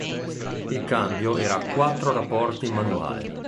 Il cambio era a quattro rapporti manuale.